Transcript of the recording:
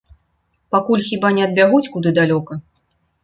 Пакуль хіба не адбягуць куды далёка.